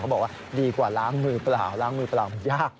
บอกว่าดีกว่าล้างมือเปล่าล้างมือเปล่ามันยาก